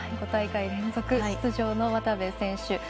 ５大会連続出場の渡部選手。